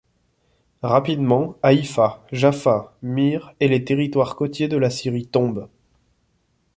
Rapidement Haïfa, Jaffa, Myre et les territoires côtiers de la Syrie tombent.